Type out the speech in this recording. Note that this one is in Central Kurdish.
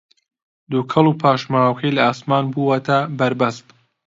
دووکەڵ و پاشماوەکەی لە ئاسمان بووەتە بەربەست